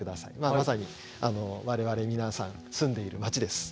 まさに我々皆さん住んでいる街です。